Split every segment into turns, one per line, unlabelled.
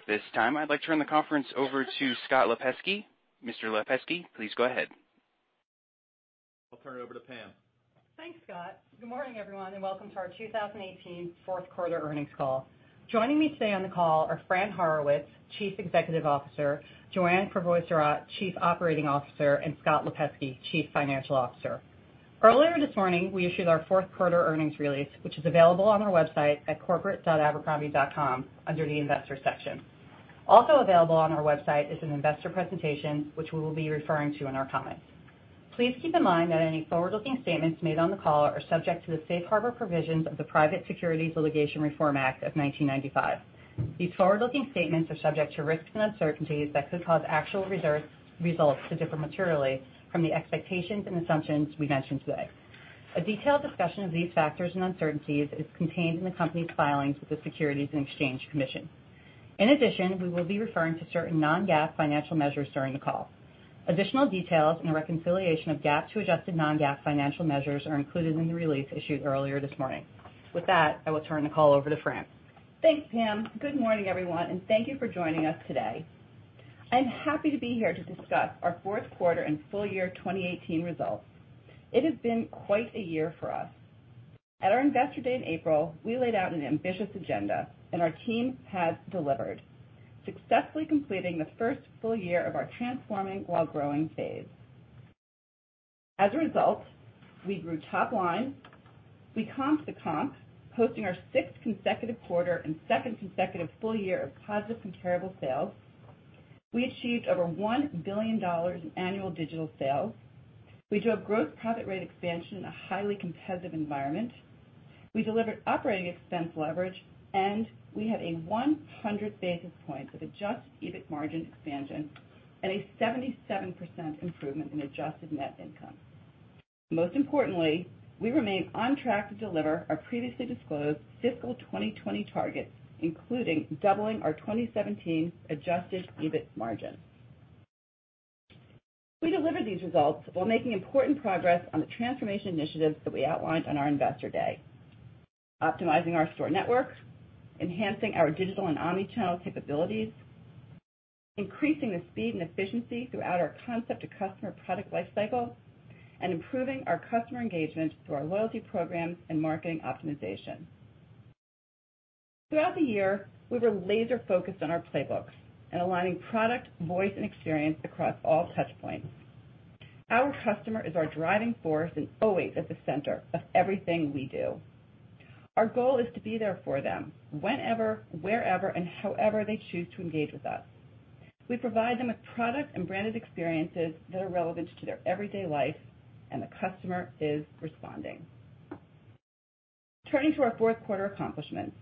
At this time, I'd like to turn the conference over to Scott Lipesky. Mr. Lipesky, please go ahead.
I'll turn it over to Pam.
Thanks, Scott. Good morning, everyone, and welcome to our 2018 fourth quarter earnings call. Joining me today on the call are Fran Horowitz, Chief Executive Officer, Joanne Crevoiserat, Chief Operating Officer, and Scott Lipesky, Chief Financial Officer. Earlier this morning, we issued our fourth quarter earnings release, which is available on our website at corporate.abercrombie.com under the investor section. Also available on our website is an investor presentation, which we will be referring to in our comments. Please keep in mind that any forward-looking statements made on the call are subject to the safe harbor provisions of the Private Securities Litigation Reform Act of 1995. These forward-looking statements are subject to risks and uncertainties that could cause actual results to differ materially from the expectations and assumptions we mention today. A detailed discussion of these factors and uncertainties is contained in the company's filings with the Securities and Exchange Commission. In addition, we will be referring to certain non-GAAP financial measures during the call. Additional details and a reconciliation of GAAP to adjusted non-GAAP financial measures are included in the release issued earlier this morning. With that, I will turn the call over to Fran.
Thanks, Pam. Good morning, everyone, and thank you for joining us today. I am happy to be here to discuss our fourth quarter and full year 2018 results. It has been quite a year for us. At our investor day in April, we laid out an ambitious agenda, and our team has delivered, successfully completing the first full year of our transforming while growing phase. As a result, we grew top line, we comped the comp, posting our 6th consecutive quarter and 2nd consecutive full year of positive comparable sales. We achieved over $1 billion in annual digital sales. We drove gross profit rate expansion in a highly competitive environment. We delivered OpEx leverage, and we had a 100 basis points of adjusted EBIT margin expansion and a 77% improvement in adjusted net income. Most importantly, we remain on track to deliver our previously disclosed fiscal 2020 targets, including doubling our 2017 adjusted EBIT margin. We delivered these results while making important progress on the transformation initiatives that we outlined on our investor day: optimizing our store network, enhancing our digital and omnichannel capabilities, increasing the speed and efficiency throughout our concept to customer product life cycle, and improving our customer engagement through our loyalty programs and marketing optimization. Throughout the year, we were laser-focused on our playbooks and aligning product, voice, and experience across all touchpoints. Our customer is our driving force and always at the center of everything we do. Our goal is to be there for them whenever, wherever, and however they choose to engage with us. We provide them with product and branded experiences that are relevant to their everyday life, and the customer is responding. Turning to our fourth quarter accomplishments.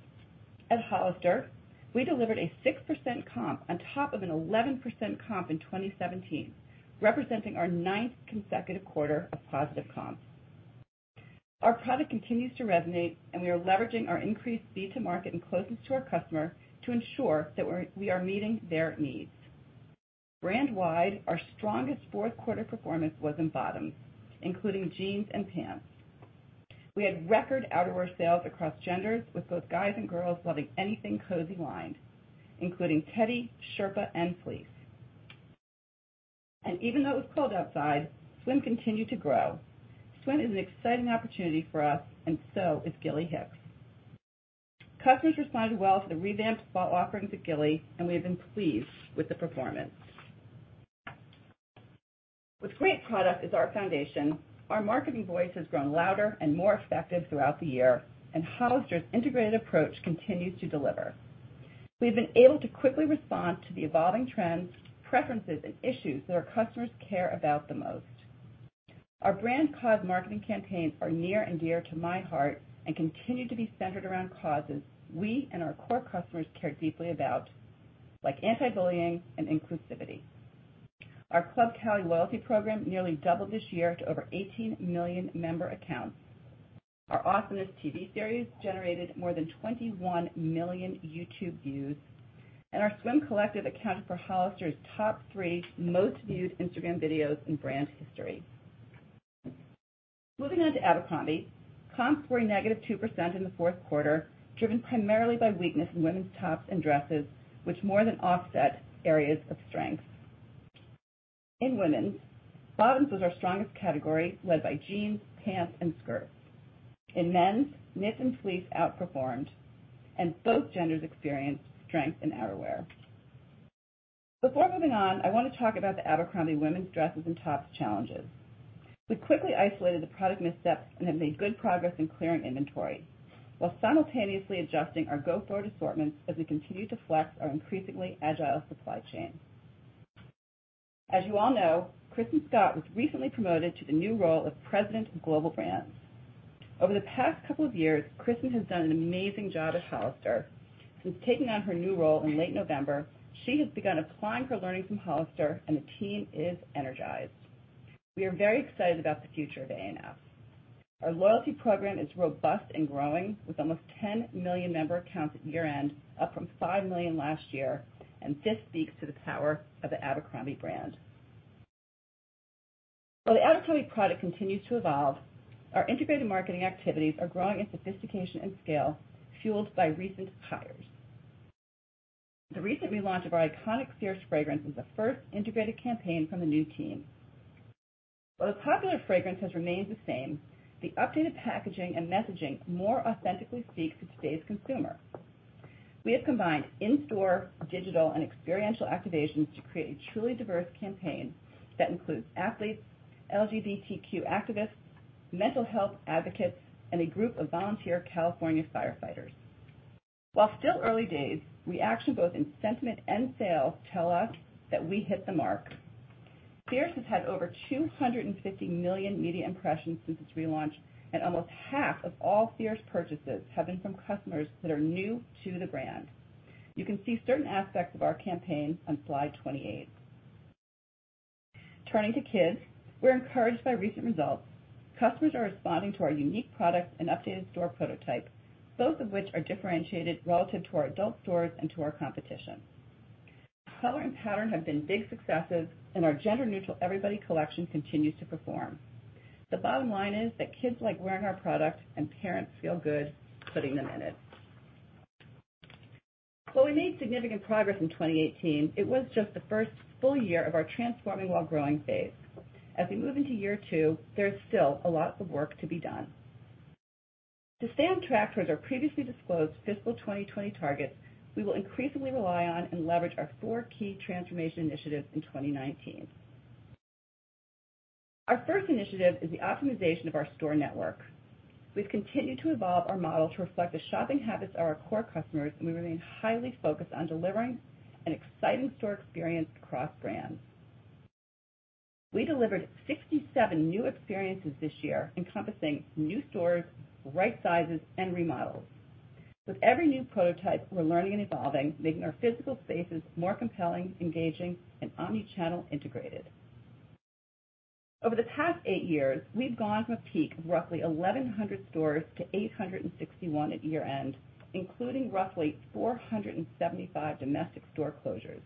At Hollister, we delivered a 6% comp on top of an 11% comp in 2017, representing our 9th consecutive quarter of positive comps. Our product continues to resonate, and we are leveraging our increased speed to market and closeness to our customer to ensure that we are meeting their needs. Brand wide, our strongest fourth quarter performance was in bottoms, including jeans and pants. We had record outerwear sales across genders, with both guys and girls loving anything cozy lined, including teddy, sherpa, and fleece. Even though it was cold outside, swim continued to grow. Swim is an exciting opportunity for us, and so is Gilly Hicks. Customers responded well to the revamped fall offerings at Gilly, and we have been pleased with the performance. With great product as our foundation, our marketing voice has grown louder and more effective throughout the year, and Hollister's integrated approach continues to deliver. We have been able to quickly respond to the evolving trends, preferences, and issues that our customers care about the most. Our brand cause marketing campaigns are near and dear to my heart and continue to be centered around causes we and our core customers care deeply about, like anti-bullying and inclusivity. Our Club Cali loyalty program nearly doubled this year to over 18 million member accounts. Our AwesomenessTV series generated more than 21 million YouTube views, and our swim collective accounted for Hollister's top 3 most viewed Instagram videos in brand history. Moving on to Abercrombie. Comps were a negative 2% in the fourth quarter, driven primarily by weakness in women's tops and dresses, which more than offset areas of strength. In women's, bottoms was our strongest category, led by jeans, pants, and skirts. In men's, knit and fleece outperformed. Both genders experienced strength in outerwear. Before moving on, I want to talk about the Abercrombie women's dresses and tops challenges. We quickly isolated the product missteps and have made good progress in clearing inventory while simultaneously adjusting our go-forward assortments as we continue to flex our increasingly agile supply chain. As you all know, Kristin Scott was recently promoted to the new role of President of Global Brands. Over the past couple of years, Kristin has done an amazing job at Hollister. Since taking on her new role in late November, she has begun applying her learnings from Hollister, and the team is energized. We are very excited about the future of A&F. Our loyalty program is robust and growing, with almost 10 million member accounts at year-end, up from 5 million last year. This speaks to the power of the Abercrombie brand. While the Abercrombie product continues to evolve, our integrated marketing activities are growing in sophistication and scale, fueled by recent hires. The recent relaunch of our iconic Fierce fragrance is the first integrated campaign from the new team. While the popular fragrance has remained the same, the updated packaging and messaging more authentically speaks to today's consumer. We have combined in-store, digital, and experiential activations to create a truly diverse campaign that includes athletes, LGBTQ activists, mental health advocates, and a group of volunteer California firefighters. While still early days, reaction both in sentiment and sales tell us that we hit the mark. Fierce has had over 250 million media impressions since its relaunch. Almost half of all Fierce purchases have been from customers that are new to the brand. You can see certain aspects of our campaign on slide 28. Turning to Kids, we're encouraged by recent results. Customers are responding to our unique product and updated store prototype, both of which are differentiated relative to our adult stores and to our competition. Color and pattern have been big successes, and our gender-neutral Everybody Collection continues to perform. The bottom line is that kids like wearing our product and parents feel good putting them in it. While we made significant progress in 2018, it was just the first full year of our transforming while growing phase. As we move into year two, there is still a lot of work to be done. To stay on track towards our previously disclosed fiscal 2020 targets, we will increasingly rely on and leverage our four key transformation initiatives in 2019. Our first initiative is the optimization of our store network. We've continued to evolve our model to reflect the shopping habits of our core customers. We remain highly focused on delivering an exciting store experience across brands. We delivered 67 new experiences this year encompassing new stores, right sizes, and remodels. With every new prototype, we're learning and evolving, making our physical spaces more compelling, engaging, and omnichannel integrated. Over the past eight years, we've gone from a peak of roughly 1,100 stores to 861 at year-end, including roughly 475 domestic store closures,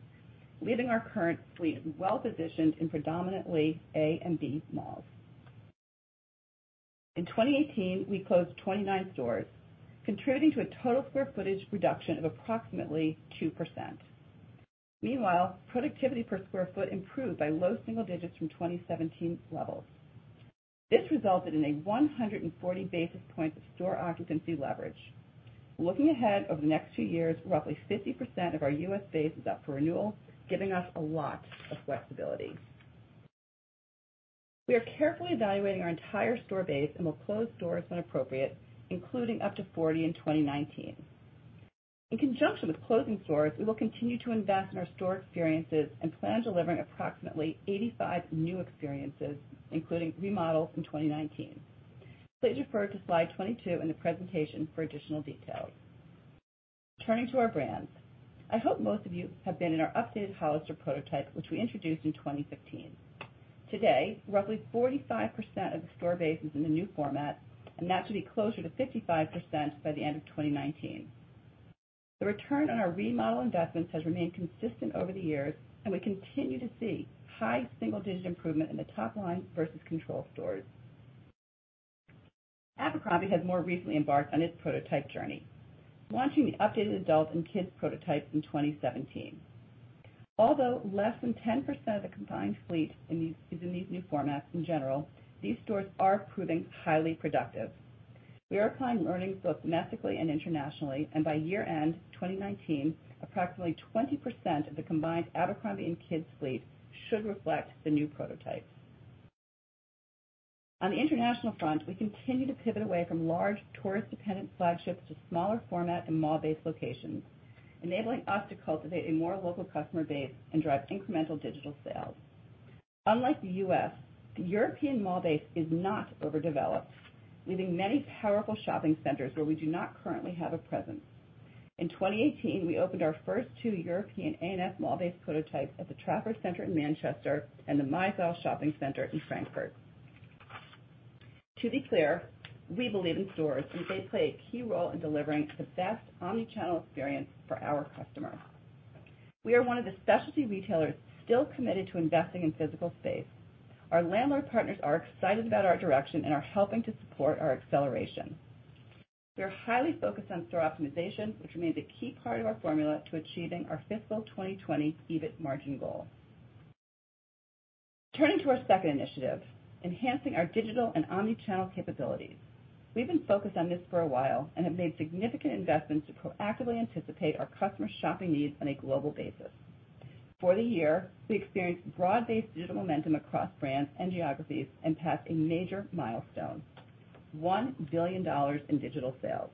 leaving our current fleet well-positioned in predominantly A and B malls. In 2018, we closed 29 stores, contributing to a total square footage reduction of approximately 2%. Meanwhile, productivity per square foot improved by low single digits from 2017 levels. This resulted in 140 basis points of store occupancy leverage. Looking ahead over the next two years, roughly 50% of our U.S. base is up for renewal, giving us a lot of flexibility. We are carefully evaluating our entire store base and will close stores when appropriate, including up to 40 in 2019. In conjunction with closing stores, we will continue to invest in our store experiences and plan on delivering approximately 85 new experiences, including remodels in 2019. Please refer to slide 22 in the presentation for additional details. Turning to our brands, I hope most of you have been in our updated Hollister prototype, which we introduced in 2015. Today, roughly 45% of the store base is in the new format, and that should be closer to 55% by the end of 2019. The return on our remodel investments has remained consistent over the years. We continue to see high single-digit improvement in the top line versus control stores. Abercrombie has more recently embarked on its prototype journey, launching the updated adult and abercrombie kids prototypes in 2017. Although less than 10% of the combined fleet is in these new formats in general, these stores are proving highly productive. We are planning on earnings both domestically and internationally, by year-end 2019, approximately 20% of the combined Abercrombie and abercrombie kids fleet should reflect the new prototypes. On the international front, we continue to pivot away from large tourist-dependent flagships to smaller format and mall-based locations, enabling us to cultivate a more local customer base and drive incremental digital sales. Unlike the U.S., the European mall base is not overdeveloped, leaving many powerful shopping centers where we do not currently have a presence. In 2018, we opened our first two European A&F mall-based prototypes at the Trafford Centre in Manchester and the MyZeil Shopping Center in Frankfurt. To be clear, we believe in stores. They play a key role in delivering the best omnichannel experience for our customers. We are one of the specialty retailers still committed to investing in physical space. Our landlord partners are excited about our direction and are helping to support our acceleration. We are highly focused on store optimization, which remains a key part of our formula to achieving our fiscal 2020 EBIT margin goal. Turning to our second initiative, enhancing our digital and omnichannel capabilities. We've been focused on this for a while and have made significant investments to proactively anticipate our customers' shopping needs on a global basis. For the year, we experienced broad-based digital momentum across brands and geographies and passed a major milestone, $1 billion in digital sales.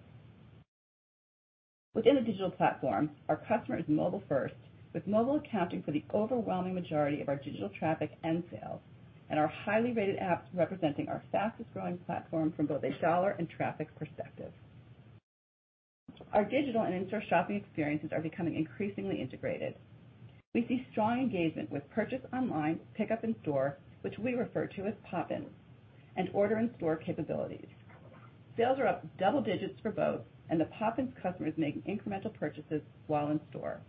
Within the digital platform, our customer is mobile first, with mobile accounting for the overwhelming majority of our digital traffic and sales. Our highly rated apps representing our fastest-growing platform from both a dollar and traffic perspective. Our digital and in-store shopping experiences are becoming increasingly integrated. We see strong engagement with purchase online, pickup in store, which we refer to as POPIN, and order in-store capabilities. Sales are up double digits for both, and the POPIN customer is making incremental purchases while in store.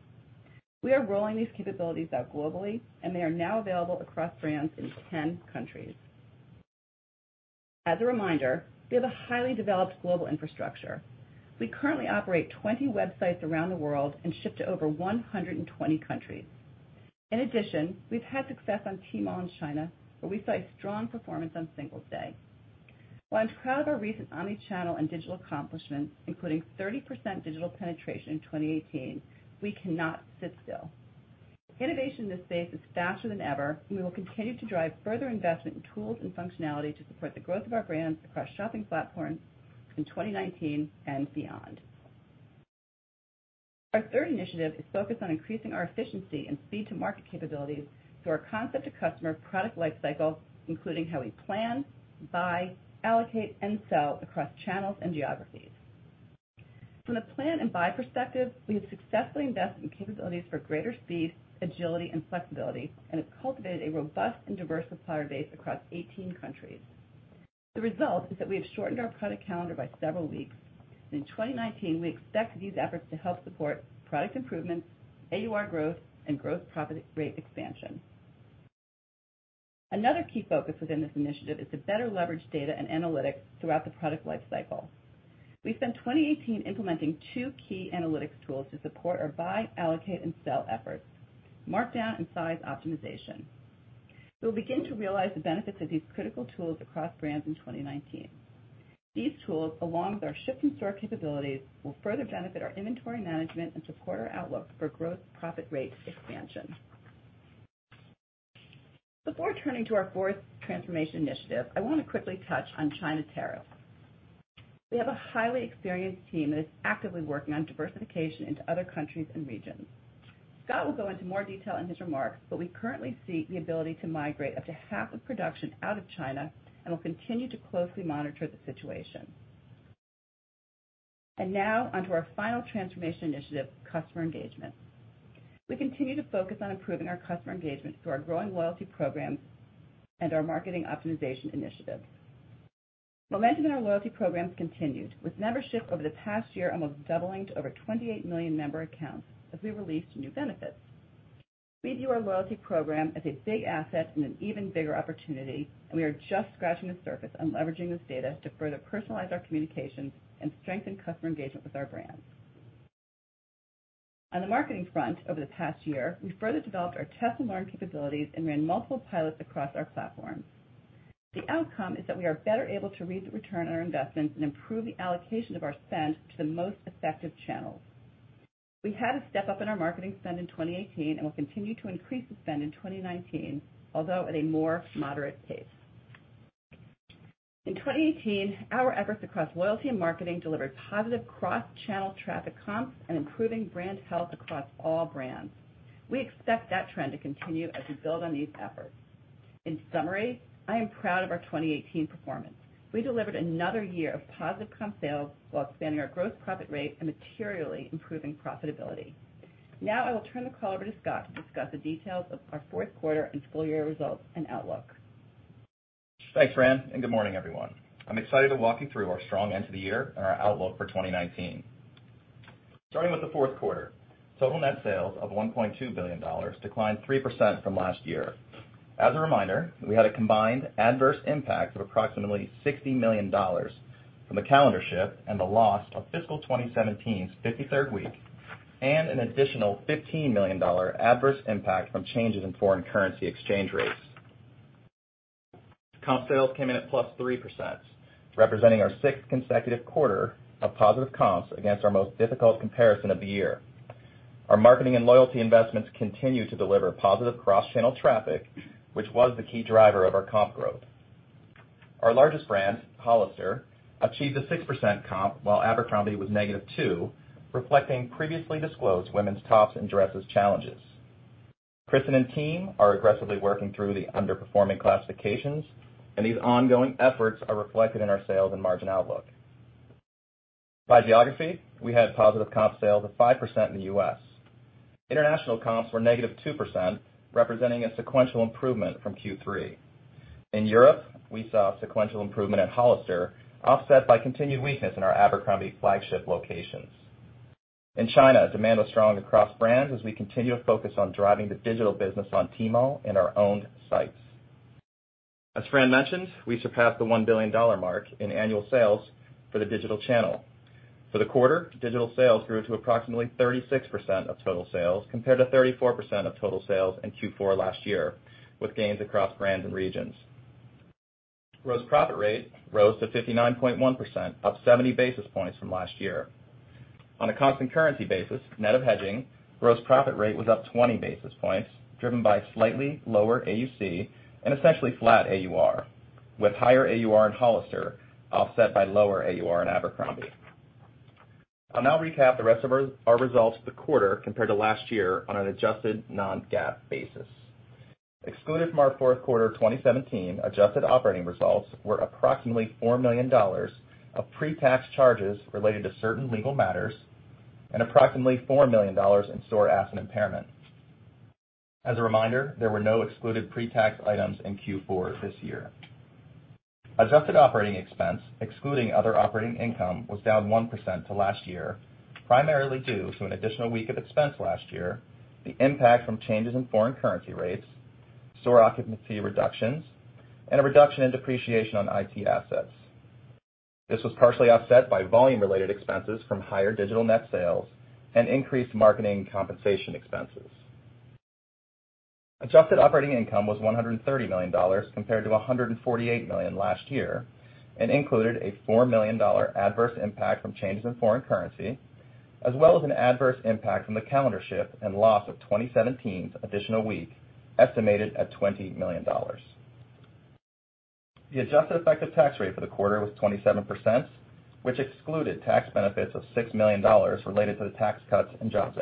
We are rolling these capabilities out globally, and they are now available across brands in 10 countries. As a reminder, we have a highly developed global infrastructure. We currently operate 20 websites around the world and ship to over 120 countries. In addition, we've had success on Tmall in China, where we saw strong performance on Singles' Day. While I'm proud of our recent omni-channel and digital accomplishments, including 30% digital penetration in 2018, we cannot sit still. Innovation in this space is faster than ever, and we will continue to drive further investment in tools and functionality to support the growth of our brands across shopping platforms in 2019 and beyond. Our third initiative is focused on increasing our efficiency and speed-to-market capabilities through our concept to customer product life cycle, including how we plan, buy, allocate, and sell across channels and geographies. From the plan and buy perspective, we have successfully invested in capabilities for greater speed, agility, and flexibility, and have cultivated a robust and diverse supplier base across 18 countries. The result is that we have shortened our product calendar by several weeks, and in 2019, we expect these efforts to help support product improvements, AUR growth, and gross profit rate expansion. Another key focus within this initiative is to better leverage data and analytics throughout the product life cycle. We spent 2018 implementing two key analytics tools to support our buy, allocate, and sell efforts, markdown and size optimization. We will begin to realize the benefits of these critical tools across brands in 2019. These tools, along with our ship-from-store capabilities, will further benefit our inventory management and support our outlook for gross profit rate expansion. Before turning to our fourth transformation initiative, I want to quickly touch on China tariffs. We have a highly experienced team that is actively working on diversification into other countries and regions. Scott will go into more detail in his remarks, but we currently seek the ability to migrate up to half of production out of China and will continue to closely monitor the situation. Now on to our final transformation initiative, customer engagement. We continue to focus on improving our customer engagement through our growing loyalty programs and our marketing optimization initiatives. Momentum in our loyalty programs continued with membership over the past year almost doubling to over 28 million member accounts as we released new benefits. We view our loyalty program as a big asset and an even bigger opportunity, and we are just scratching the surface on leveraging this data to further personalize our communications and strengthen customer engagement with our brands. On the marketing front over the past year, we further developed our test and learn capabilities and ran multiple pilots across our platforms. The outcome is that we are better able to read the return on our investments and improve the allocation of our spend to the most effective channels. We had a step-up in our marketing spend in 2018 and will continue to increase the spend in 2019, although at a more moderate pace. In 2018, our efforts across loyalty and marketing delivered positive cross-channel traffic comps and improving brand health across all brands. We expect that trend to continue as we build on these efforts. In summary, I am proud of our 2018 performance. We delivered another year of positive comp sales while expanding our gross profit rate and materially improving profitability. Now I will turn the call over to Scott to discuss the details of our fourth quarter and full-year results and outlook.
Thanks, Fran, and good morning, everyone. I'm excited to walk you through our strong end to the year and our outlook for 2019. Starting with the fourth quarter, total net sales of $1.2 billion declined 3% from last year. As a reminder, we had a combined adverse impact of approximately $60 million from the calendar shift and the loss of fiscal 2017's 53rd week, and an additional $15 million adverse impact from changes in foreign currency exchange rates. Comp sales came in at +3%, representing our sixth consecutive quarter of positive comps against our most difficult comparison of the year. Our marketing and loyalty investments continue to deliver positive cross-channel traffic, which was the key driver of our comp growth. Our largest brand, Hollister, achieved a 6% comp while Abercrombie was -2%, reflecting previously disclosed women's tops and dresses challenges. Kristin and team are aggressively working through the underperforming classifications. These ongoing efforts are reflected in our sales and margin outlook. By geography, we had positive comp sales of 5% in the U.S. International comps were -2%, representing a sequential improvement from Q3. In Europe, we saw sequential improvement at Hollister, offset by continued weakness in our Abercrombie flagship locations. In China, demand was strong across brands as we continue to focus on driving the digital business on Tmall and our own sites. As Fran mentioned, we surpassed the $1 billion mark in annual sales for the digital channel. For the quarter, digital sales grew to approximately 36% of total sales compared to 34% of total sales in Q4 last year, with gains across brands and regions. Gross profit rate rose to 59.1%, up 70 basis points from last year. On a constant currency basis, net of hedging, gross profit rate was up 20 basis points, driven by slightly lower AUC and essentially flat AUR, with higher AUR in Hollister offset by lower AUR in Abercrombie. I'll now recap the rest of our results for the quarter compared to last year on an adjusted non-GAAP basis. Excluded from our fourth quarter 2017 adjusted operating results were approximately $4 million of pre-tax charges related to certain legal matters and approximately $4 million in store asset impairment. As a reminder, there were no excluded pre-tax items in Q4 this year. Adjusted operating expense, excluding other operating income, was down 1% to last year, primarily due to an additional week of expense last year, the impact from changes in foreign currency rates, store occupancy reductions, and a reduction in depreciation on IT assets. This was partially offset by volume-related expenses from higher digital net sales and increased marketing compensation expenses. Adjusted operating income was $130 million, compared to $148 million last year, and included a $4 million adverse impact from changes in foreign currency, as well as an adverse impact from the calendar shift and loss of 2017's additional week, estimated at $20 million. The adjusted effective tax rate for the quarter was 27%, which excluded tax benefits of $6 million related to the Tax Cuts and Jobs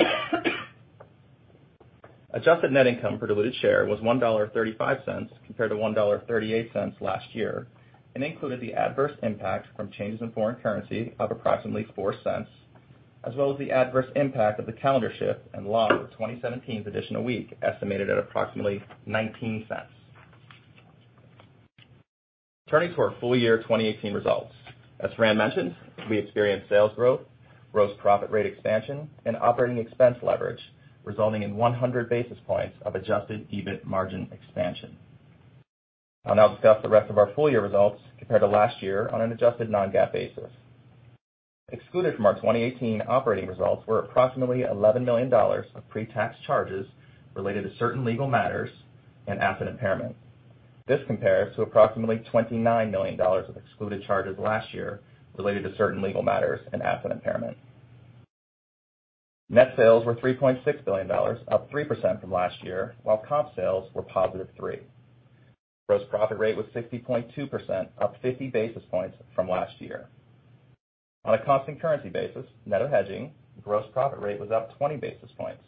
Act. Adjusted net income per diluted share was $1.35 compared to $1.38 last year, and included the adverse impact from changes in foreign currency of approximately $0.04, as well as the adverse impact of the calendar shift and loss of 2017's additional week, estimated at approximately $0.19. Turning to our full year 2018 results. As Fran mentioned, we experienced sales growth, gross profit rate expansion, and operating expense leverage, resulting in 100 basis points of adjusted EBIT margin expansion. I will now discuss the rest of our full year results compared to last year on an adjusted non-GAAP basis. Excluded from our 2018 operating results were approximately $11 million of pre-tax charges related to certain legal matters and asset impairment. This compares to approximately $29 million of excluded charges last year related to certain legal matters and asset impairment. Net sales were $3.6 billion, up 3% from last year, while comp sales were positive 3%. Gross profit rate was 60.2%, up 50 basis points from last year. On a constant currency basis, net of hedging, gross profit rate was up 20 basis points.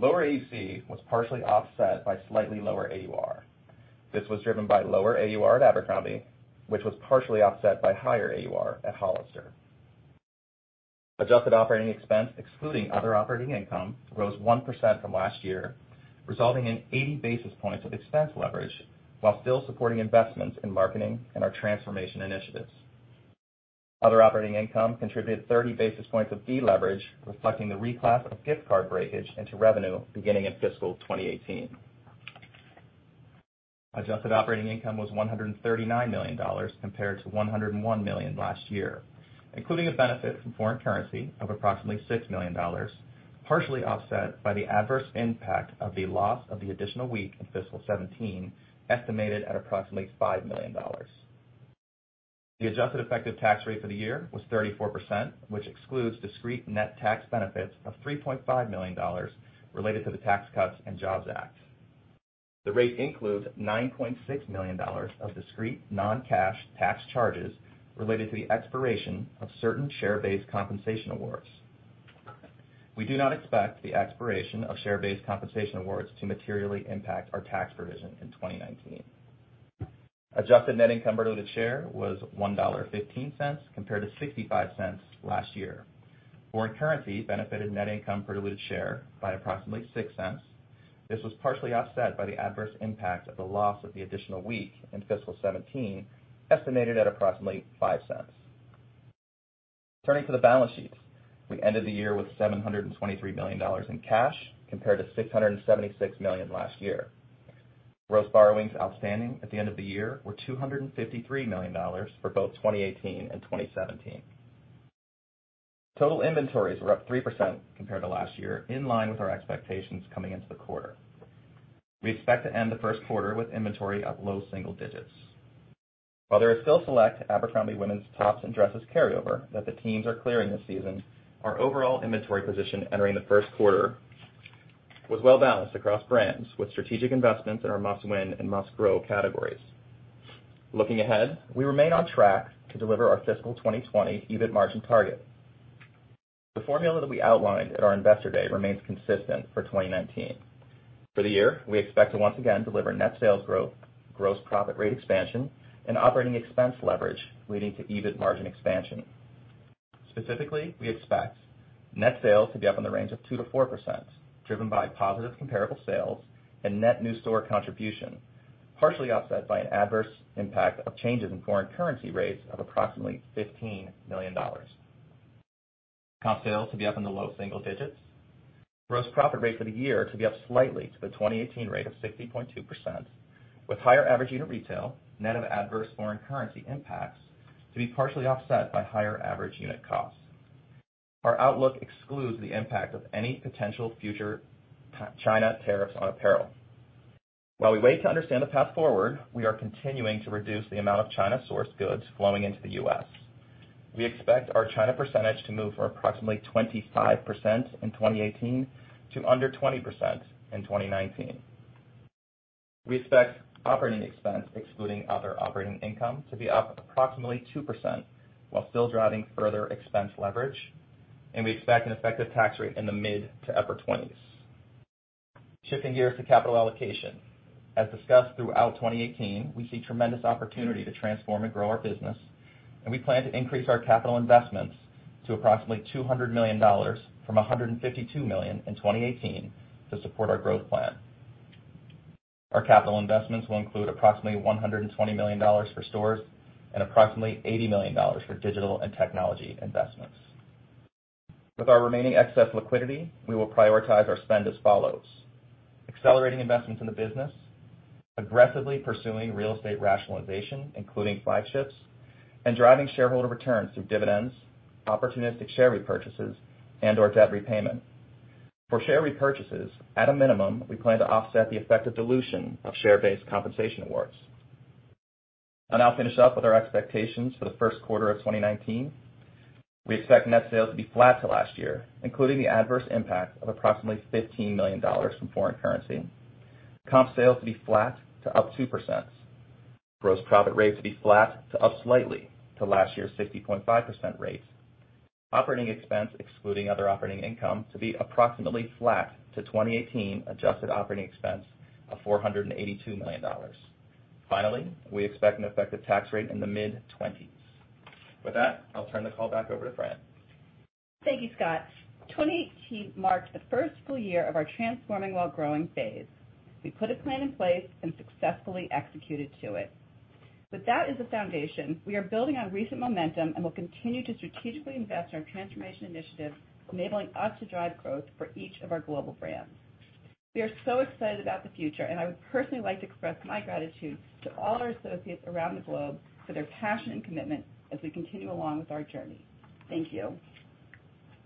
Lower AUC was partially offset by slightly lower AUR. This was driven by lower AUR at Abercrombie, which was partially offset by higher AUR at Hollister. Adjusted operating expense excluding other operating income rose 1% from last year, resulting in 80 basis points of expense leverage while still supporting investments in marketing and our transformation initiatives. Other operating income contributed 30 basis points of deleverage, reflecting the reclass of gift card breakage into revenue beginning in fiscal 2018. Adjusted operating income was $139 million compared to $101 million last year, including a benefit from foreign currency of approximately $6 million, partially offset by the adverse impact of the loss of the additional week in fiscal 2017, estimated at approximately $5 million. The adjusted effective tax rate for the year was 34%, which excludes discrete net tax benefits of $3.5 million related to the Tax Cuts and Jobs Act. The rate includes $9.6 million of discrete non-cash tax charges related to the expiration of certain share-based compensation awards. We do not expect the expiration of share-based compensation awards to materially impact our tax provision in 2019. Adjusted net income per diluted share was $1.15 compared to $0.65 last year. Foreign currency benefited net income per diluted share by approximately $0.06. This was partially offset by the adverse impact of the loss of the additional week in fiscal 2017, estimated at approximately $0.05. Turning to the balance sheet, we ended the year with $723 million in cash compared to $676 million last year. Gross borrowings outstanding at the end of the year were $253 million for both 2018 and 2017. Total inventories were up 3% compared to last year, in line with our expectations coming into the quarter. We expect to end the first quarter with inventory up low single digits. While there are still select Abercrombie women's tops and dresses carryover that the teams are clearing this season, our overall inventory position entering the first quarter was well-balanced across brands with strategic investments in our must-win and must-grow categories. Looking ahead, we remain on track to deliver our fiscal 2020 EBIT margin target. The formula that we outlined at our investor day remains consistent for 2019. For the year, we expect to once again deliver net sales growth, gross profit rate expansion, and operating expense leverage, leading to EBIT margin expansion. Specifically, we expect net sales to be up in the range of 2%-4%, driven by positive comparable sales and net new store contribution, partially offset by an adverse impact of changes in foreign currency rates of approximately $15 million. Comp sales to be up in the low single digits. gross profit rate for the year to be up slightly to the 2018 rate of 60.2%, with higher average unit retail, net of adverse foreign currency impacts, to be partially offset by higher average unit costs. Our outlook excludes the impact of any potential future China tariffs on apparel. While we wait to understand the path forward, we are continuing to reduce the amount of China-sourced goods flowing into the U.S. We expect our China percentage to move from approximately 25% in 2018 to under 20% in 2019. We expect operating expense, excluding other operating income, to be up approximately 2% while still driving further expense leverage, and we expect an effective tax rate in the mid to upper 20s. Shifting gears to capital allocation. As discussed throughout 2018, we see tremendous opportunity to transform and grow our business, and we plan to increase our capital investments to approximately $200 million from $152 million in 2018 to support our growth plan. Our capital investments will include approximately $120 million for stores and approximately $80 million for digital and technology investments. With our remaining excess liquidity, we will prioritize our spend as follows: accelerating investments in the business, aggressively pursuing real estate rationalization, including flagships, and driving shareholder returns through dividends, opportunistic share repurchases, and/or debt repayment. For share repurchases, at a minimum, we plan to offset the effective dilution of share-based compensation awards. I'll now finish up with our expectations for the first quarter of 2019. We expect net sales to be flat to last year, including the adverse impact of approximately $15 million from foreign currency. Comp sales to be flat to up 2%. gross profit rate to be flat to up slightly to last year's 60.5% rate. Operating expense, excluding other operating income, to be approximately flat to 2018 adjusted operating expense of $482 million. Finally, we expect an effective tax rate in the mid-20s. With that, I'll turn the call back over to Fran.
Thank you, Scott. 2018 marked the first full year of our transforming while growing phase. We put a plan in place and successfully executed to it. With that as the foundation, we are building on recent momentum and will continue to strategically invest in our transformation initiatives, enabling us to drive growth for each of our global brands. We are so excited about the future, and I would personally like to express my gratitude to all our associates around the globe for their passion and commitment as we continue along with our journey. Thank you.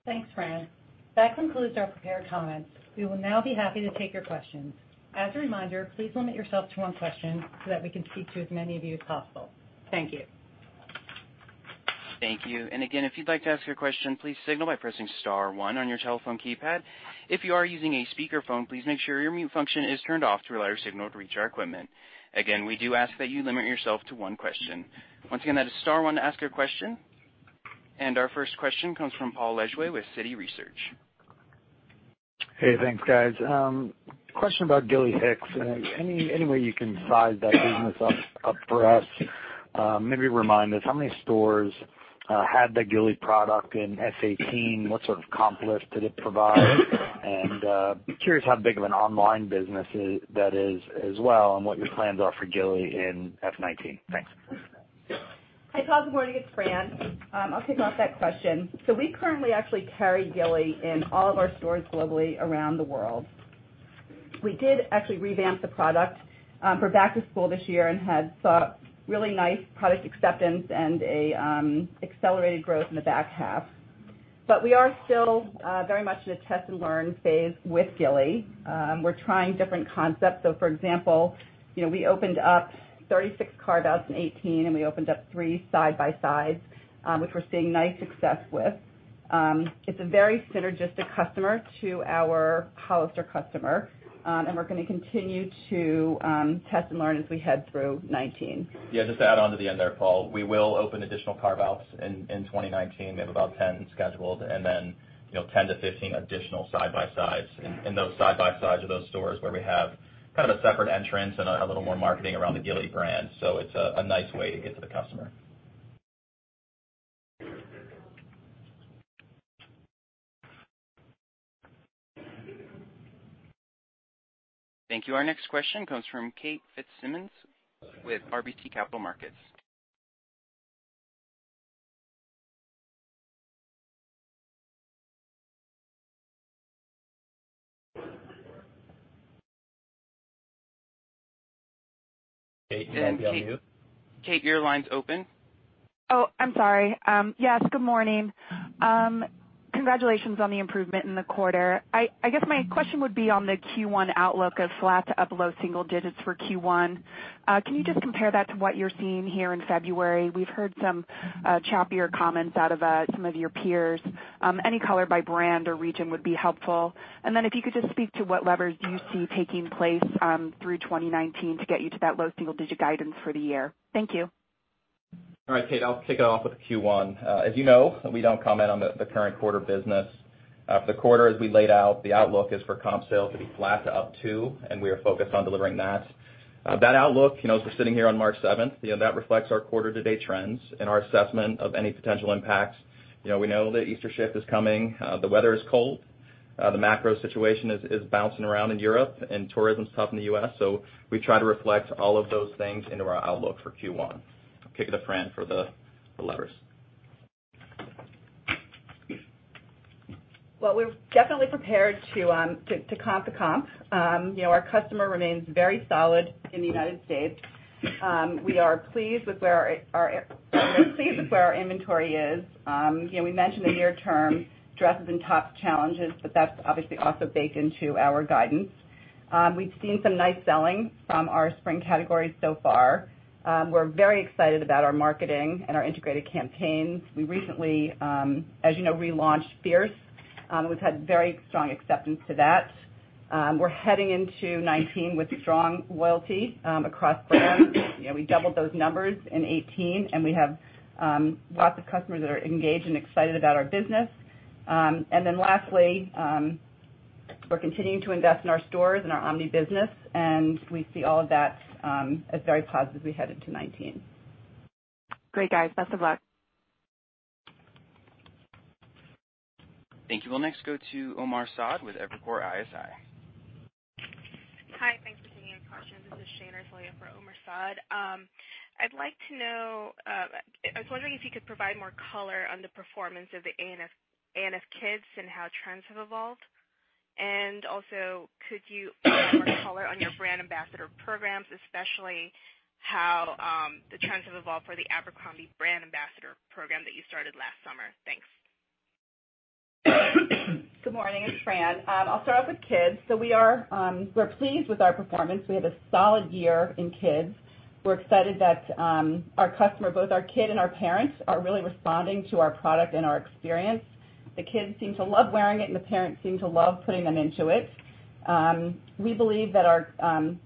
Thanks, Fran. That concludes our prepared comments. We will now be happy to take your questions. As a reminder, please limit yourself to one question so that we can speak to as many of you as possible. Thank you.
Thank you. Again, if you'd like to ask your question, please signal by pressing *1 on your telephone keypad. If you are using a speakerphone, please make sure your mute function is turned off to allow your signal to reach our equipment. Again, we do ask that you limit yourself to one question. Once again, that is *1 to ask your question. Our first question comes from Paul Lejuez with Citi Research.
Hey, thanks, guys. Question about Gilly Hicks. Any way you can size that business up for us? Maybe remind us how many stores had the Gilly product in S18, what sort of comp lift did it provide? Curious how big of an online business that is as well, and what your plans are for Gilly in F19. Thanks.
Hi, Paul. Good morning. It's Fran. I'll kick off that question. We currently actually carry Gilly in all of our stores globally around the world. We did actually revamp the product for back to school this year and have saw really nice product acceptance and accelerated growth in the back half. We are still very much in a test and learn phase with Gilly. We're trying different concepts. For example, we opened up 36 carve-outs in 2018, and we opened up three side-by-sides, which we're seeing nice success with. It's a very synergistic customer to our Hollister customer, and we're going to continue to test and learn as we head through 2019.
Just to add on to the end there, Paul, we will open additional carve-outs in 2019. We have about 10 scheduled, then 10 to 15 additional side-by-sides. Those side-by-sides are those stores where we have a separate entrance and a little more marketing around the Gilly Hicks brand. It's a nice way to get to the customer.
Thank you. Our next question comes from Kate Fitzsimons with RBC Capital Markets. Kate, you might be on mute.
Kate, your line's open.
Oh, I'm sorry. Yes, good morning. Congratulations on the improvement in the quarter. I guess my question would be on the Q1 outlook of flat to up low single digits for Q1. Can you just compare that to what you're seeing here in February? We've heard some choppier comments out of some of your peers. Any color by brand or region would be helpful. Then if you could just speak to what levers you see taking place through 2019 to get you to that low single-digit guidance for the year. Thank you.
All right, Kate. I'll kick it off with Q1. As you know, we don't comment on the current quarter business. For the quarter, as we laid out, the outlook is for comp sales to be flat to up two, and we are focused on delivering that. That outlook, as we're sitting here on March 7th, that reflects our quarter to date trends and our assessment of any potential impacts. We know that Easter shift is coming. The weather is cold. The macro situation is bouncing around in Europe, and tourism's tough in the U.S., so we try to reflect all of those things into our outlook for Q1. I'll kick it to Fran for the levers.
We're definitely prepared to comp the comp. Our customer remains very solid in the United States. We are pleased with where our inventory is. We mentioned the near term, dresses and top challenges, but that's obviously also baked into our guidance. We've seen some nice selling from our spring categories so far. We're very excited about our marketing and our integrated campaigns. We recently, as you know, relaunched Fierce. We've had very strong acceptance to that. We're heading into 2019 with strong loyalty across brands. We doubled those numbers in 2018, and we have lots of customers that are engaged and excited about our business. Lastly, we're continuing to invest in our stores and our omni business, and we see all of that as very positive as we head into 2019.
Great, guys. Best of luck.
Thank you. We'll next go to Omar Saad with Evercore ISI.
Hi. Thanks for taking the questions. This is Shayna for Omar Saad. I was wondering if you could provide more color on the performance of the abercrombie kids and how trends have evolved. Also, could you provide more color on your brand ambassador programs, especially how the trends have evolved for the Abercrombie brand ambassador program that you started last summer? Thanks.
Good morning. It's Fran. I'll start off with Kids. We're pleased with our performance. We had a solid year in Kids. We're excited that our customer, both our kid and our parents, are really responding to our product and our experience. The kids seem to love wearing it, and the parents seem to love putting them into it. We believe that our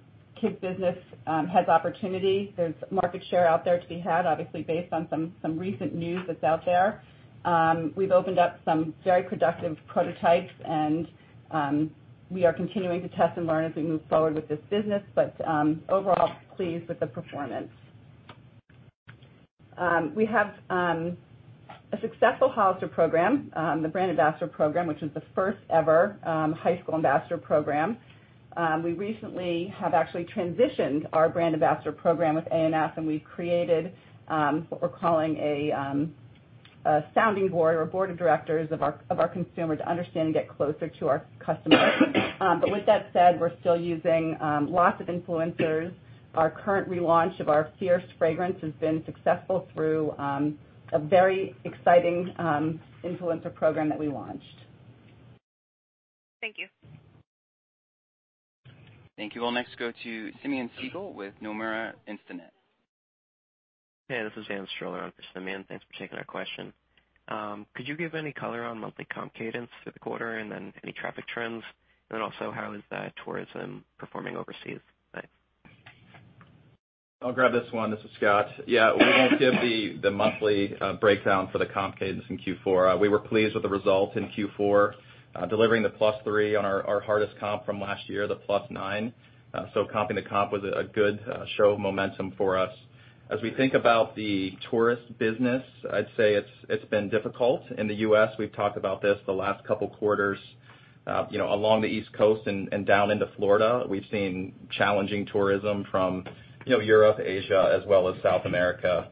kids business has opportunity. There's market share out there to be had, obviously, based on some recent news that's out there. We've opened up some very productive prototypes, and we are continuing to test and learn as we move forward with this business. Overall, pleased with the performance. We have a successful Hollister program, the brand ambassador program, which is the First-Ever High School Ambassador Program. We recently have actually transitioned our brand ambassador program with A&F, and we've created what we're calling a sounding board or board of directors of our consumer to understand and get closer to our customers. With that said, we're still using lots of influencers. Our current relaunch of our Fierce fragrance has been successful through a very exciting influencer program that we launched.
Thank you.
Thank you. We'll next go to Simeon Siegel with Nomura Instinet.
Hey, this is Dan Stroller. I'm in for Simeon. Thanks for taking our question. Could you give any color on monthly comp cadence for the quarter and any traffic trends? How is the tourism performing overseas? Thanks.
I'll grab this one. This is Scott. Yeah, we won't give the monthly breakdown for the comp cadence in Q4. We were pleased with the result in Q4, delivering the +3% on our hardest comp from last year, the +9%. Comping the comp was a good show of momentum for us. As we think about the tourist business, I'd say it's been difficult in the U.S. We've talked about this the last couple of quarters. Along the East Coast and down into Florida, we've seen challenging tourism from Europe, Asia, as well as South America.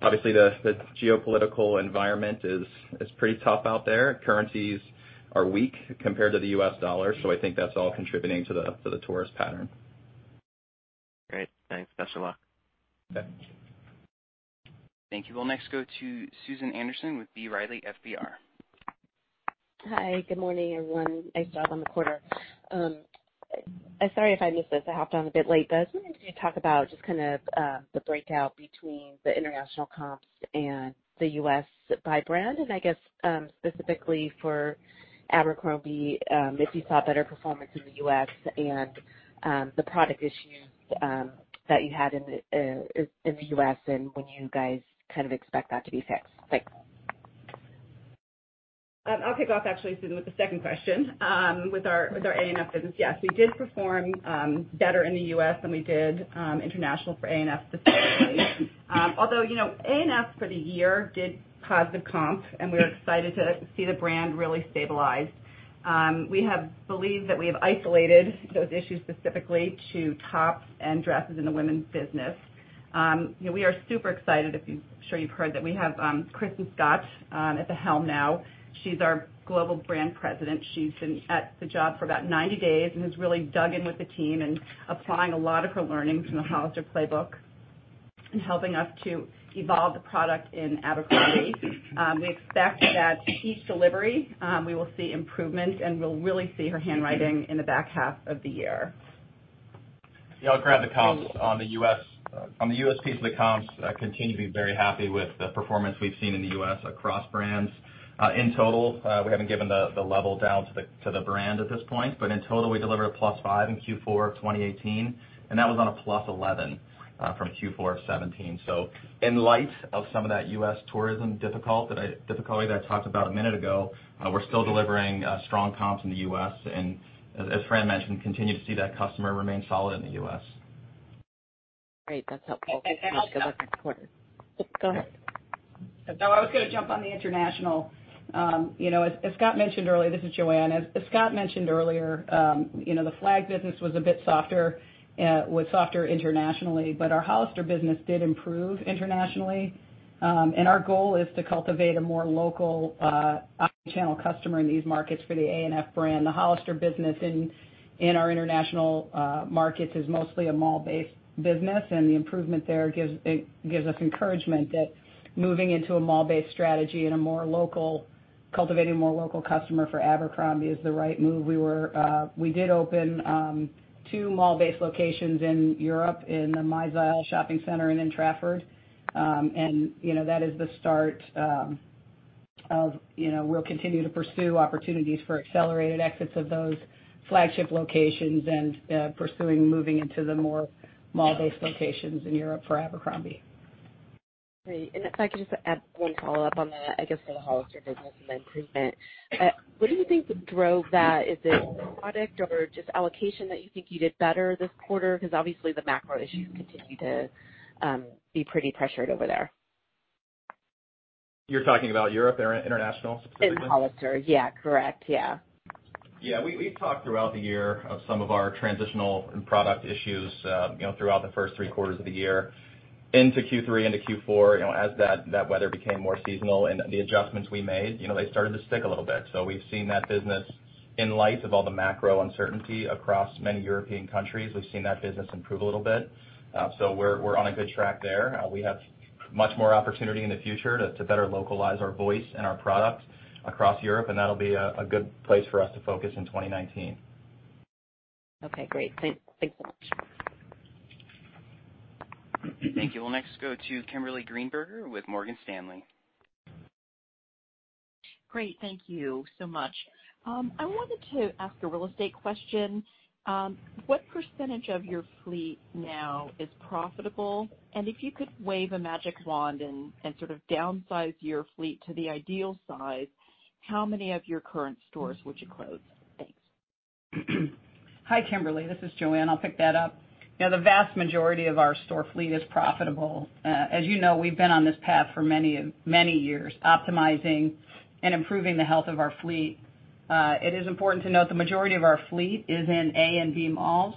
Obviously, the geopolitical environment is pretty tough out there. Currencies are weak compared to the U.S. dollar, so I think that's all contributing to the tourist pattern.
Great. Thanks. Best of luck.
Okay.
Thank you. We'll next go to Susan Anderson with B. Riley FBR.
Hi. Good morning, everyone. Nice job on the quarter. Sorry if I missed this. I hopped on a bit late. I was wondering if you could talk about just the breakout between the international comps and the U.S. by brand, and I guess specifically for Abercrombie, if you saw better performance in the U.S. and the product issues that you had in the U.S. and when you guys expect that to be fixed. Thanks.
I'll kick off actually, Susan, with the second question. With our A&F business, yes, we did perform better in the U.S. than we did international for A&F specifically. Although, A&F for the year did positive comp, and we're excited to see the brand really stabilize. We believe that we have isolated those issues specifically to tops and dresses in the women's business. We are super excited, I'm sure you've heard, that we have Kristin Scott at the helm now. She's our Global Brand President. She's been at the job for about 90 days and has really dug in with the team and applying a lot of her learnings from the Hollister playbook and helping us to evolve the product in Abercrombie. We expect that each delivery, we will see improvement, and we'll really see her handwriting in the back half of the year.
Yeah, I'll grab the comps. On the U.S. piece of the comps, continue to be very happy with the performance we've seen in the U.S. across brands. In total, we haven't given the level down to the brand at this point, in total, we delivered a +5 in Q4 of 2018, and that was on a +11 from Q4 of 2017. In light of some of that U.S. tourism difficulty that I talked about a minute ago, we're still delivering strong comps in the U.S., and as Fran mentioned, continue to see that customer remain solid in the U.S.
Great. That's helpful. Thanks so much. Good luck on the quarter.
I'll jump.
Go ahead.
No, I was going to jump on the international. This is Joanne. As Scott mentioned earlier, the Flag business was a bit softer internationally, but our Hollister business did improve internationally. Our goal is to cultivate a more local omnichannel customer in these markets for the A&F brand. The Hollister business in our international markets is mostly a mall-based business, and the improvement there gives us encouragement that moving into a mall-based strategy and cultivating a more local customer for Abercrombie is the right move. We did open two mall-based locations in Europe, in the MyZeil shopping center and in Trafford. That is the start of we'll continue to pursue opportunities for accelerated exits of those flagship locations and pursuing moving into the more mall-based locations in Europe for Abercrombie.
Great. If I could just add one follow-up on the, I guess, for the Hollister business and the improvement. What do you think drove that? Is it product or just allocation that you think you did better this quarter? Because obviously the macro issues continue to be pretty pressured over there.
You're talking about Europe or international specifically?
In Hollister. Yeah, correct.
Yeah. We've talked throughout the year of some of our transitional and product issues throughout the first three quarters of the year. Into Q3, into Q4, as that weather became more seasonal and the adjustments we made, they started to stick a little bit. We've seen that business, in light of all the macro uncertainty across many European countries, we've seen that business improve a little bit. We're on a good track there. We have much more opportunity in the future to better localize our voice and our product across Europe, and that'll be a good place for us to focus in 2019.
Okay, great. Thanks so much.
Thank you. We'll next go to Kimberly Greenberger with Morgan Stanley.
Great. Thank you so much. I wanted to ask a real estate question. What % of your fleet now is profitable? If you could wave a magic wand and sort of downsize your fleet to the ideal size, how many of your current stores would you close? Thanks.
Hi, Kimberly. This is Joanne. I'll pick that up. Yeah, the vast majority of our store fleet is profitable. As you know, we've been on this path for many years, optimizing and improving the health of our fleet. It is important to note the majority of our fleet is in A and B malls.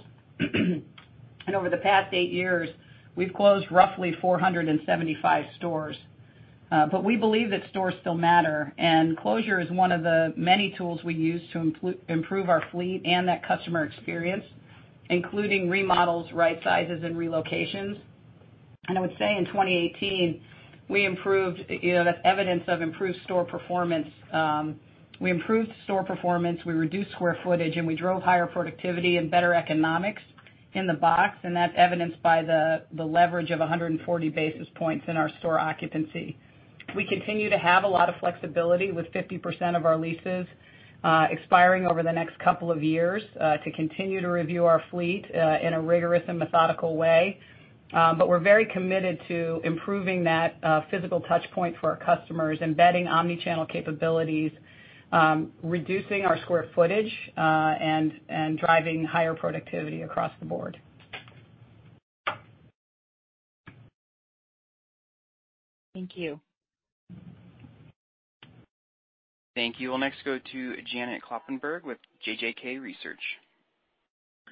Over the past eight years, we've closed roughly 475 stores. We believe that stores still matter, and closure is one of the many tools we use to improve our fleet and that customer experience, including remodels, right sizes, and relocations. I would say in 2018, that evidence of improved store performance, we improved store performance, we reduced square footage, and we drove higher productivity and better economics in the box, and that's evidenced by the leverage of 140 basis points in our store occupancy. We continue to have a lot of flexibility with 50% of our leases expiring over the next couple of years to continue to review our fleet in a rigorous and methodical way. We're very committed to improving that physical touchpoint for our customers, embedding omni-channel capabilities, reducing our square footage, and driving higher productivity across the board.
Thank you.
Thank you. We'll next go to Janet Kloppenburg with JJK Research.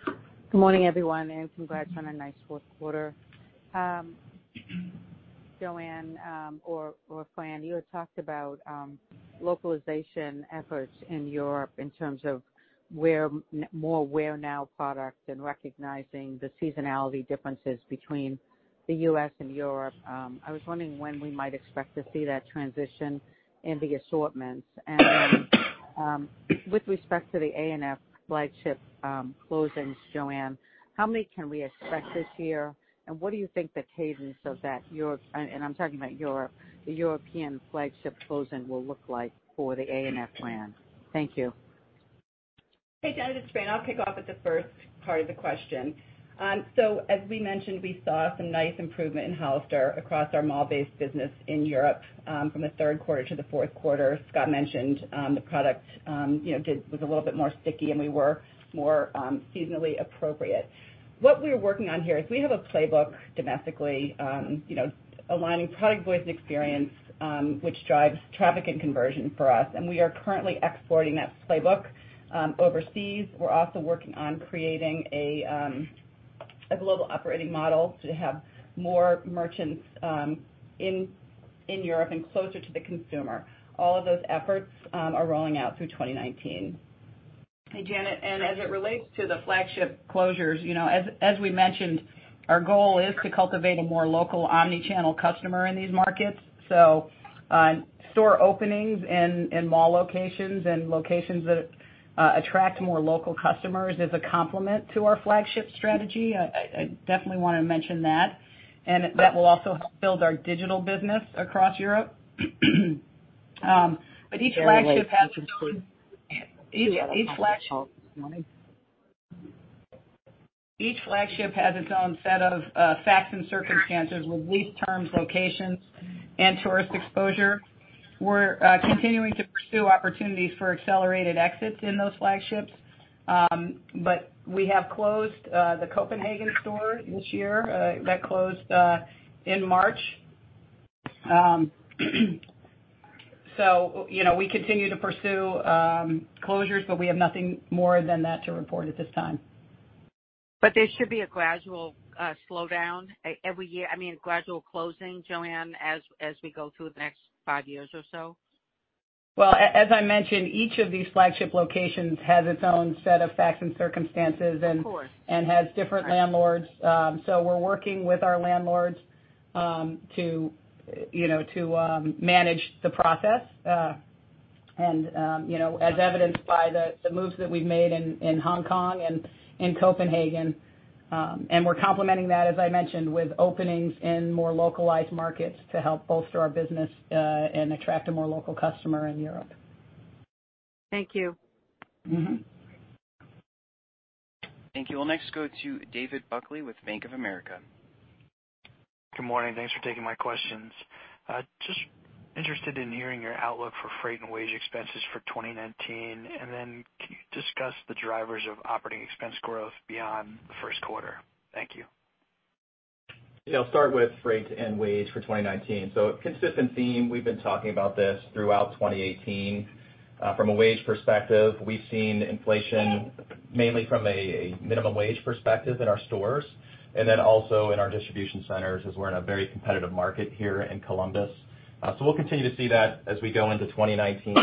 Good morning, everyone. Congrats on a nice fourth quarter. Joanne or Fran, you had talked about localization efforts in Europe in terms of more wear-now product and recognizing the seasonality differences between the U.S. and Europe. I was wondering when we might expect to see that transition in the assortments. Then, with respect to the ANF flagship closings, Joanne, how many can we expect this year? What do you think the cadence of that, and I'm talking about the European flagship closing, will look like for the ANF brand. Thank you.
Hey, Janet, it's Fran. I'll kick off with the first part of the question. As we mentioned, we saw some nice improvement in Hollister across our mall-based business in Europe from the third quarter to the fourth quarter. Scott mentioned the product was a little bit more sticky, and we were more seasonally appropriate. What we're working on here is we have a playbook domestically, aligning product voice and experience, which drives traffic and conversion for us, and we are currently exporting that playbook overseas. We're also working on creating a global operating model to have more merchants in Europe and closer to the consumer. All of those efforts are rolling out through 2019.
Hey, Janet. As it relates to the flagship closures, as we mentioned, our goal is to cultivate a more local omni-channel customer in these markets. Store openings in mall locations and locations that attract more local customers is a complement to our flagship strategy. I definitely want to mention that. That will also help build our digital business across Europe. Each flagship has its own set of facts and circumstances with lease terms, locations, and tourist exposure. We're continuing to pursue opportunities for accelerated exits in those flagships. We have closed the Copenhagen store this year. That closed in March. We continue to pursue closures, but we have nothing more than that to report at this time.
There should be a gradual slowdown every year, I mean, a gradual closing, Joanne, as we go through the next five years or so?
Well, as I mentioned, each of these flagship locations has its own set of facts and circumstances.
Of course
Has different landlords. We're working with our landlords to manage the process. As evidenced by the moves that we've made in Hong Kong and in Copenhagen, we're complementing that, as I mentioned, with openings in more localized markets to help bolster our business and attract a more local customer in Europe.
Thank you.
Thank you. We'll next go to David Buckley with Bank of America.
Good morning. Thanks for taking my questions. Just interested in hearing your outlook for freight and wage expenses for 2019. Can you discuss the drivers of operating expense growth beyond the first quarter? Thank you.
I'll start with freight and wage for 2019. Consistent theme, we've been talking about this throughout 2018. From a wage perspective, we've seen inflation mainly from a minimum wage perspective in our stores and then also in our distribution centers, as we're in a very competitive market here in Columbus. We'll continue to see that as we go into 2019.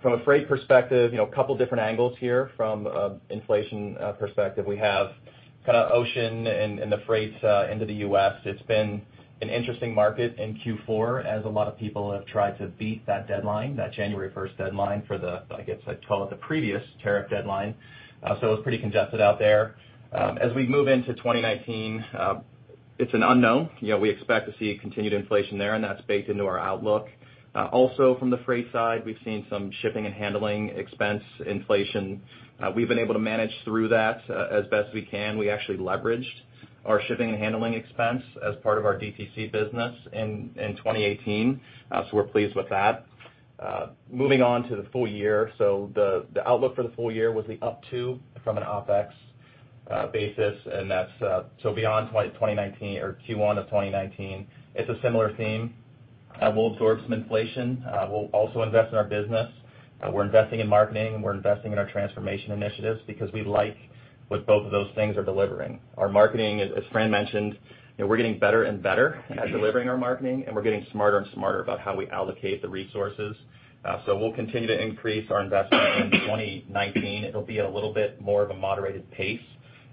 From a freight perspective, a couple different angles here from an inflation perspective. We have ocean and the freight into the U.S. It's been an interesting market in Q4 as a lot of people have tried to beat that deadline, that January 1st deadline for the, I guess I'd call it the previous tariff deadline. It was pretty congested out there. As we move into 2019, it's an unknown. We expect to see continued inflation there, and that's baked into our outlook. Also from the freight side, we've seen some shipping and handling expense inflation. We've been able to manage through that as best we can. We actually leveraged our shipping and handling expense as part of our DTC business in 2018. We're pleased with that. Moving on to the full year. The outlook for the full year was the up to from an OpEx basis, beyond 2019 or Q1 of 2019. It's a similar theme. We'll absorb some inflation. We'll also invest in our business. We're investing in marketing, and we're investing in our transformation initiatives because we like what both of those things are delivering. Our marketing, as Fran mentioned, we're getting better and better at delivering our marketing, and we're getting smarter and smarter about how we allocate the resources. We'll continue to increase our investment in 2019. It'll be at a little bit more of a moderated pace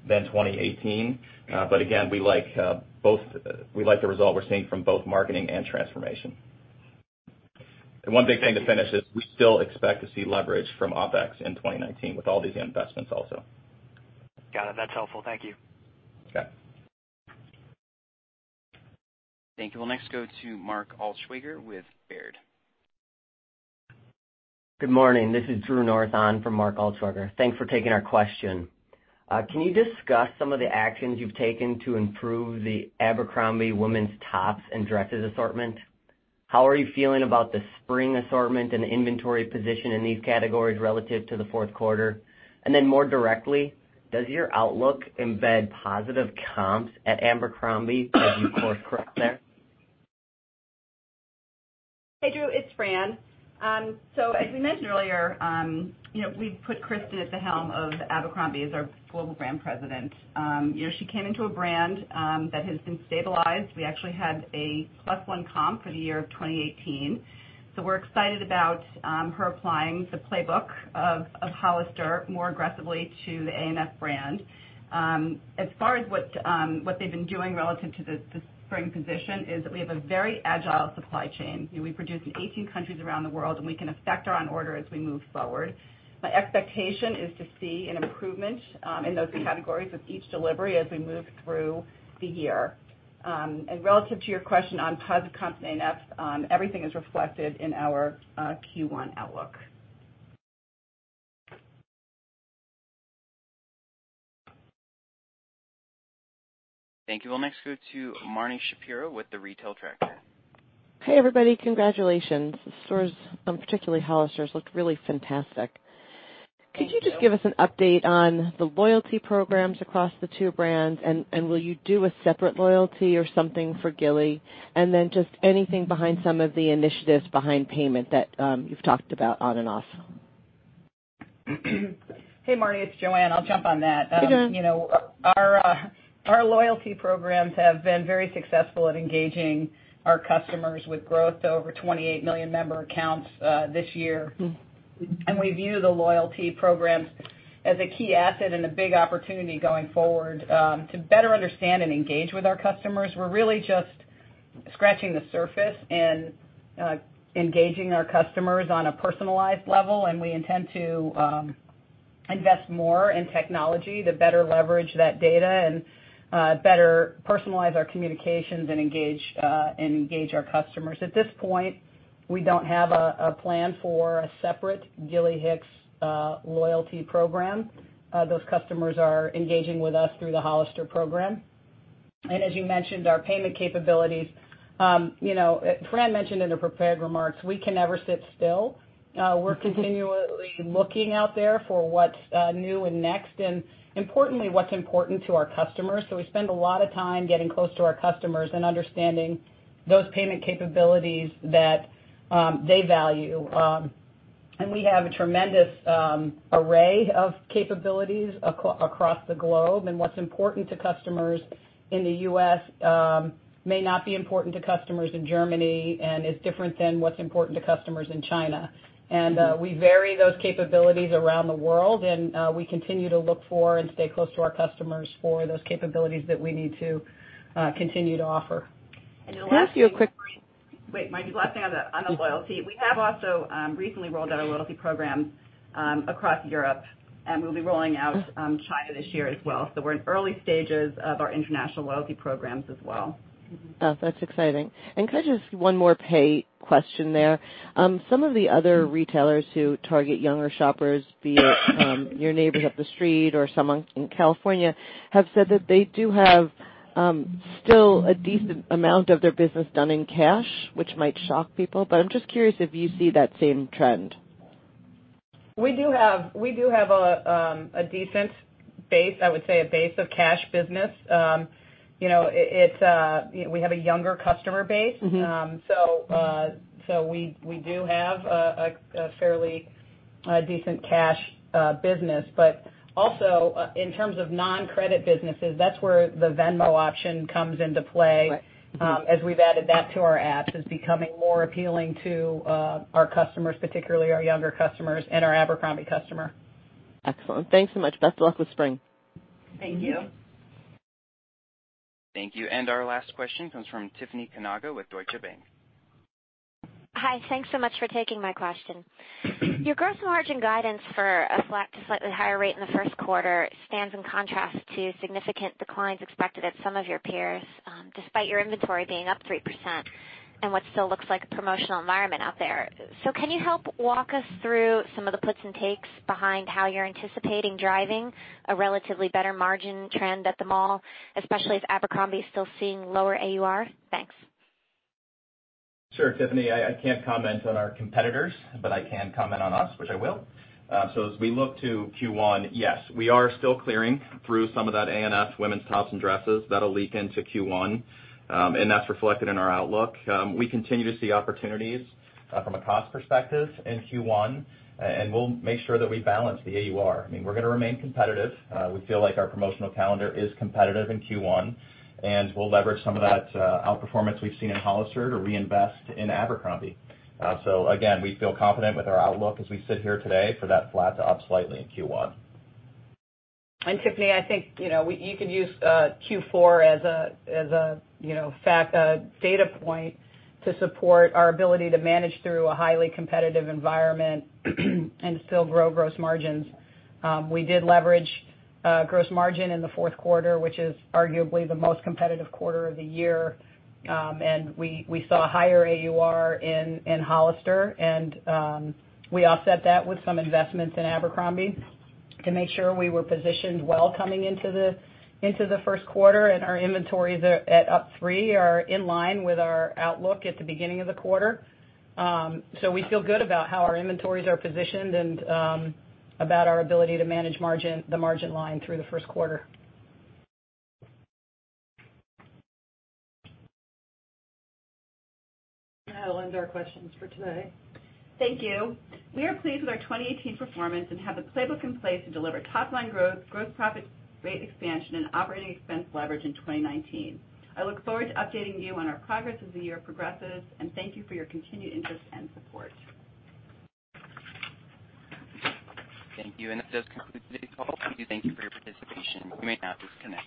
than 2018. Again, we like the result we're seeing from both marketing and transformation. One big thing to finish is we still expect to see leverage from OpEx in 2019 with all these investments also.
Got it. That's helpful. Thank you.
Okay.
Thank you. We'll next go to Mark Altschwager with Baird.
Good morning. This is Andrew North for Mark Altschwager. Thanks for taking our question. Can you discuss some of the actions you've taken to improve the Abercrombie women's tops and dresses assortment? How are you feeling about the spring assortment and inventory position in these categories relative to the fourth quarter? More directly, does your outlook embed pos comps at Abercrombie as you course correct there?
Hey, Drew, it's Fran. As we mentioned earlier, we put Kristin at the helm of Abercrombie as our Global Brand President. She came into a brand that has been stabilized. We actually had a plus one comp for the year of 2018. We're excited about her applying the playbook of Hollister more aggressively to the A&F brand. As far as what they've been doing relative to the spring position is that we have a very agile supply chain. We produce in 18 countries around the world, and we can effect our own order as we move forward. My expectation is to see an improvement in those categories with each delivery as we move through the year. Relative to your question on pos comp A&F, everything is reflected in our Q1 outlook.
Thank you. We'll next go to Marni Shapiro with The Retail Tracker.
Hey, everybody. Congratulations. The stores, particularly Hollister's, looked really fantastic.
Thank you.
Could you just give us an update on the loyalty programs across the two brands, will you do a separate loyalty or something for Gilly? Just anything behind some of the initiatives behind payment that you've talked about on and off.
Hey, Marni, it's Joanne. I'll jump on that.
Hey, Joanne.
Our loyalty programs have been very successful at engaging our customers with growth over 28 million member accounts this year. We view the loyalty programs as a key asset and a big opportunity going forward to better understand and engage with our customers. We're really just scratching the surface in engaging our customers on a personalized level, and we intend to invest more in technology to better leverage that data and better personalize our communications and engage our customers. At this point, we don't have a plan for a separate Gilly Hicks loyalty program. Those customers are engaging with us through the Hollister program. As you mentioned, our payment capabilities. Fran mentioned in her prepared remarks, we can never sit still. We're continually looking out there for what's new and next and importantly, what's important to our customers. We spend a lot of time getting close to our customers and understanding those payment capabilities that they value. We have a tremendous array of capabilities across the globe. What's important to customers in the U.S. may not be important to customers in Germany and is different than what's important to customers in China. We vary those capabilities around the world, and we continue to look for and stay close to our customers for those capabilities that we need to continue to offer.
And our last-
Can I ask you a quick one? Wait, Marni, the last thing on the loyalty. We have also recently rolled out our loyalty program across Europe, and we'll be rolling out China this year as well. We're in early stages of our international loyalty programs as well.
That's exciting. Could I just one more pay question there. Some of the other retailers who target younger shoppers, be it your neighbors up the street or someone in California, have said that they do have still a decent amount of their business done in cash, which might shock people, but I'm just curious if you see that same trend.
We do have a decent base, I would say a base of cash business. We have a younger customer base. We do have a fairly decent cash business. Also, in terms of non-credit businesses, that's where the Venmo option comes into play.
Right.
As we've added that to our apps. It's becoming more appealing to our customers, particularly our younger customers and our Abercrombie customer.
Excellent. Thanks so much. Best of luck with spring.
Thank you.
Thank you.
Thank you. Our last question comes from Tiffany Kanaga with Deutsche Bank.
Hi. Thanks so much for taking my question. Your gross margin guidance for a flat to slightly higher rate in the first quarter stands in contrast to significant declines expected at some of your peers, despite your inventory being up 3%. What still looks like a promotional environment out there. Can you help walk us through some of the puts and takes behind how you're anticipating driving a relatively better margin trend at the mall, especially if Abercrombie is still seeing lower AUR? Thanks.
Sure, Tiffany. I can't comment on our competitors, but I can comment on us, which I will. As we look to Q1, yes, we are still clearing through some of that ANF women's tops and dresses. That'll leak into Q1. That's reflected in our outlook. We continue to see opportunities, from a cost perspective, in Q1, and we'll make sure that we balance the AUR. We're gonna remain competitive. We feel like our promotional calendar is competitive in Q1, and we'll leverage some of that outperformance we've seen in Hollister to reinvest in Abercrombie. Again, we feel confident with our outlook as we sit here today for that flat to up slightly in Q1.
Tiffany, I think you could use Q4 as a data point to support our ability to manage through a highly competitive environment and still grow gross margins. We did leverage gross margin in the fourth quarter, which is arguably the most competitive quarter of the year. We saw higher AUR in Hollister, and we offset that with some investments in Abercrombie to make sure we were positioned well coming into the first quarter. Our inventories are at up 3% are in line with our outlook at the beginning of the quarter. We feel good about how our inventories are positioned and about our ability to manage the margin line through the first quarter.
That'll end our questions for today.
Thank you. We are pleased with our 2018 performance and have the playbook in place to deliver top-line growth, gross profit rate expansion, and operating expense leverage in 2019. I look forward to updating you on our progress as the year progresses, thank you for your continued interest and support.
Thank you, that does conclude today's call. We thank you for your participation. You may now disconnect.